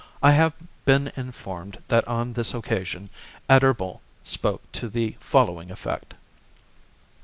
I have been informed that on this occasion Adherbal spoke to the following effect :— CHAP.